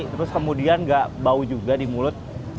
terus kemudian gak bau juga di mulut